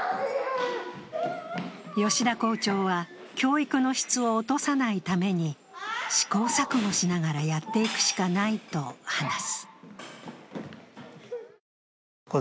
吉田校長は、教育の質を落とさないために試行錯誤しながらやっていくしかないと話す。